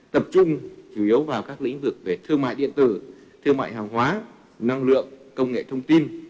tập trung chủ yếu vào các lĩnh vực về thương mại điện tử thương mại hàng hóa năng lượng công nghệ thông tin